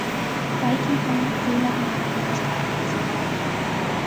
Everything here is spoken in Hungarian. Tájképei főleg Máramarost ábrázolják.